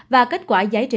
và kết quả giải trình trên